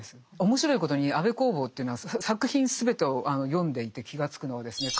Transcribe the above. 面白いことに安部公房というのは作品全てを読んでいて気がつくのはですね